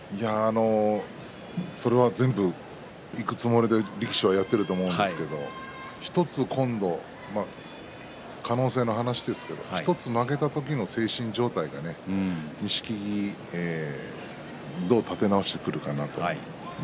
それは全部いくつもりで力士はやっていると思うんですけど１つ今度、可能性の話ですけど１つ負けた時の精神状態が錦木、どう立て直してくるかが。